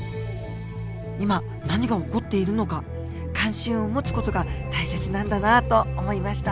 今何が起こっているのか関心を持つ事が大切なんだなと思いました。